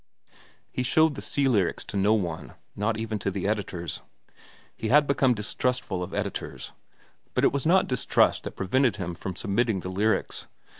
He showed the "Sea Lyrics" to no one, not even to the editors. He had become distrustful of editors. But it was not distrust that prevented him from submitting the "Lyrics."